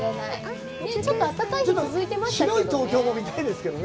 ちょっとあったかい日が続いてましたね。